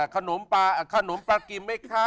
ขนมปลากินไหมคะ